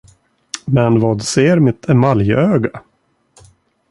Men vad ser mitt emaljöga?